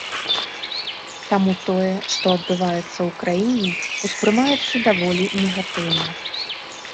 Таму тое, што адбываецца ў краіне, ўспрымаецца даволі негатыўна.